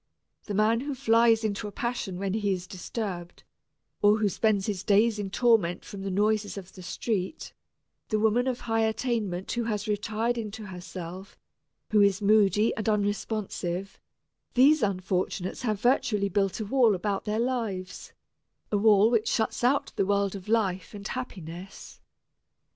The man who flies into a passion when he is disturbed, or who spends his days in torment from the noises of the street; the woman of high attainment who has retired into herself, who is moody and unresponsive, these unfortunates have virtually built a wall about their lives, a wall which shuts out the world of life and happiness.